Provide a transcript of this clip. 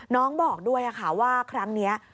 น้องบอกด้วยค่ะว่าครั้งนี้